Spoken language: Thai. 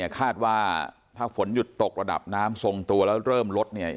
คาดว่าถ้าฝนหยุดตกระดับน้ำทรงตัวแล้วเริ่มลดเนี่ย